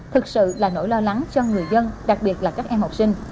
thực sự là nỗi lo lắng cho người dân đặc biệt là các em học sinh